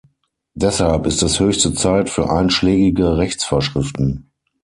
Deshalb ist es höchste Zeit für einschlägige Rechtsvorschriften.